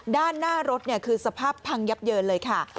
ด้านหน้ารถคือสภาพพังยับเยินเลยค่ะ